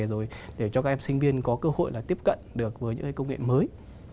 rồi để cho các em sinh viên có cơ hội là tiếp cận được với những công nghệ mới